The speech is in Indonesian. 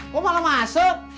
kok malah masuk